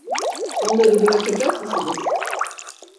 Onları bırakacak mısınız?